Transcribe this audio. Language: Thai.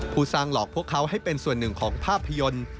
ผู้สร้างหลอกพวกเขาให้เป็นส่วนหนึ่งของภาพยนตร์